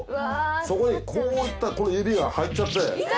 そこにこう行ったこの指が入っちゃって。